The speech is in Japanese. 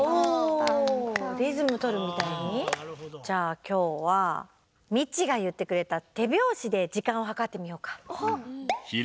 じゃあきょうはミチがいってくれた手拍子で時間をはかってみようか。